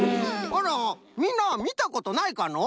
あらみんなみたことないかの？